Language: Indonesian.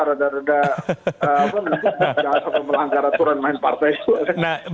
rada rada melanggar aturan main partai